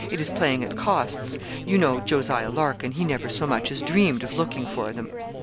It is playing at costs. You know Jos. Larkin he never so much as dreamed of looking for them.'